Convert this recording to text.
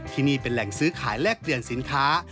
ที่นี่เป็นแหล่งซื้อขายแลกเปลี่ยนสินค้า